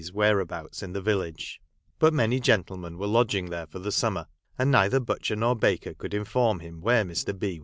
's whereabouts in the village ; but many gentle men were lodging there for the summer, and neither batcher nor baker could inform him where Mr. B.